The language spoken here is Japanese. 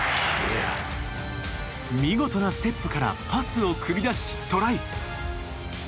見事なステップからパスを繰り出しトライ。